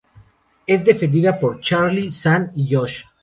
Es defendida por Charlie, Sam y Josh.